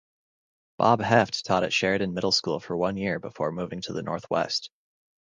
Bob Heft taught at Sheridan Middle School for one year before moving to Northwest.